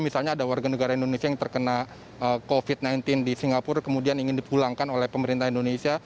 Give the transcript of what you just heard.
misalnya ada warga negara indonesia yang terkena covid sembilan belas di singapura kemudian ingin dipulangkan oleh pemerintah indonesia